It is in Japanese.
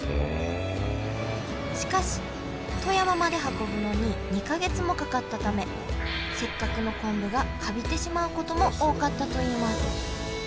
しかし富山まで運ぶのに２か月もかかったためせっかくの昆布がカビてしまうことも多かったといいます。